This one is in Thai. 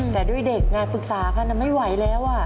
แต่ด้วยเด็กไงปรึกษากันไม่ไหวแล้ว